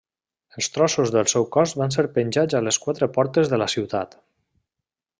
Els trossos del seu cos van ser penjats a les quatre portes de la ciutat.